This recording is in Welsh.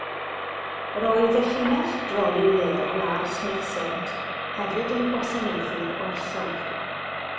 Roedd y llinell droli leol ar Smith Saint hefyd yn gwasanaethu'r orsaf.